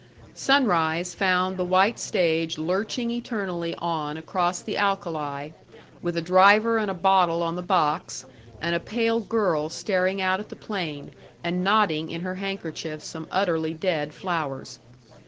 Sunrise found the white stage lurching eternally on across the alkali, with a driver and a bottle on the box, and a pale girl staring out at the plain, and knotting in her handkerchief some utterly dead flowers.